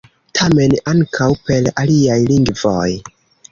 Tamen, ankaŭ per aliaj lingvoj